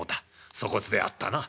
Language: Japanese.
粗こつであったな」。